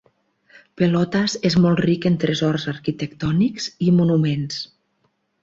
Pelotas és molt ric en tresors arquitectònics i monuments.